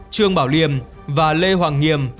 trương bảo liêm và lê hoàng nghiêm